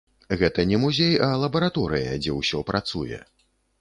Гэта не музей, а лабараторыя, дзе ўсё працуе.